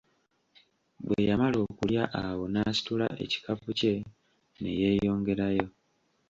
Bwe yamala okulya awo n'asitula ekikapu kye ne yeeyongerayo.